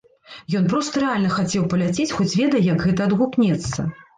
Ён проста рэальна хацеў паляцець, хоць ведае, як гэта адгукнецца.